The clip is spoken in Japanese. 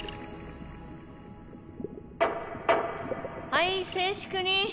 はい静粛に！